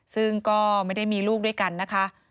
ซึ่งก็ไม่ได้มีลูกด้วยกันนะคะ